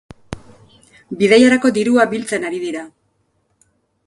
Bidaiarako dirua biltzen ari dira.